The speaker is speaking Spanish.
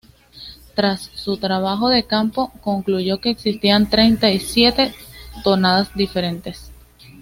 Tras su trabajo de campo, concluyó que existían treinta y siete tonadas diferentes.